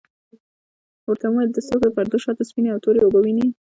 ورته ومي ویل د سترګو د پردو شاته سپیني او توری اوبه وینې ؟